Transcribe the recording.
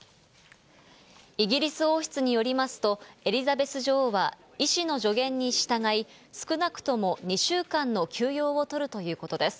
イギリス王室によりますと、エリザベス女王は、医師の助言に従い、少なくとも２週間の休養を取るということです。